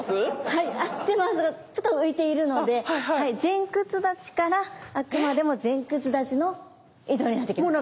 はい合ってますがちょっと浮いているので前屈立ちからあくまでも前屈立ちの移動になってきます。